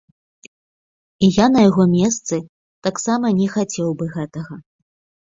І я на яго месцы таксама не хацеў бы гэтага.